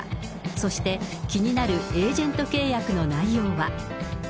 そして気になるエージェント契約の内容は。